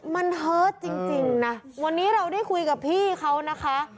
มันเฮิร์ตจริงนะวันนี้เราได้คุยกับพี่เขานะคะ